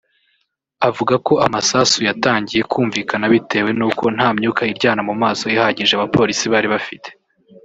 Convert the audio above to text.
avuga ko amasasu yatangiye kumvikana bitewe n’uko nta myuka iryana mu maso ihagije abapolisi bari bafite